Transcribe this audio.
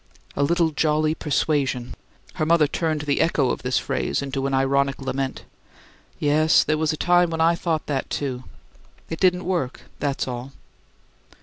"'A little jolly persuasion!'" Her mother turned the echo of this phrase into an ironic lament. "Yes, there was a time when I thought that, too! It didn't work; that's all."